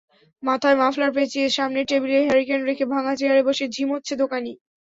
মাথায় মাফলার পেঁচিয়ে, সামনের টেবিলে হারিকেন রেখে, ভাঙা চেয়ারে বসে ঝিমোচ্ছে দোকানি।